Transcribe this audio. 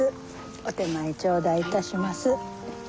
お点前頂戴致します。